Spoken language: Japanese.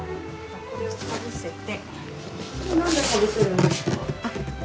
これをかぶせて。